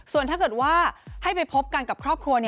ส่วนถ้าเกิดว่าให้ไปพบกันกับครอบครัว